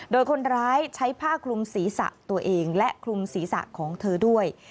โดยคนร้ายใช้ผ้าคลุมศีรษะตัวเองและคลุมศีรษะของเธอด้วย